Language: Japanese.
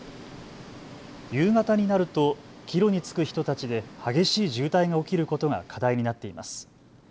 夕方になると帰路につく人たちで激しい渋滞が起きることが課題になってます。